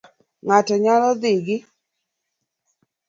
Ng'ato nyalo dhi gi